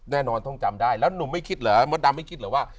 แน่นอนต้องจำได้แล้วหนุ่มไม่คิดเหรอมดดำไม่คิดเหรอว่า